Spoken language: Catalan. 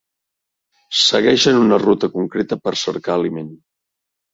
Segueixen una ruta concreta per cercar aliment.